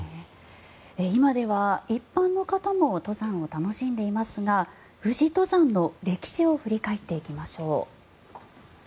今では一般の方も登山を楽しんでいますが富士登山の歴史を振り返っていきましょう。